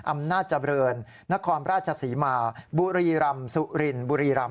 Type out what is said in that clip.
อำนาจเจริญนครราชศรีมาบุรีรำสุรินบุรีรำ